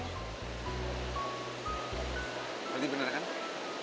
iya sih tapi gue sama mondi udah sepakat kok